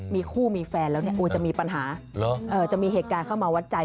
มีคู่มีแฟนแล้วเนี่ยจะมีปัญหาจะมีเหตุการณ์เข้ามาวัดใจ